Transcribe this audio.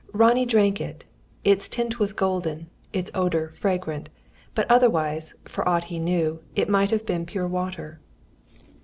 Ronnie drank it. Its tint was golden, its odour, fragrant; but otherwise, for aught he knew, it might have been pure water.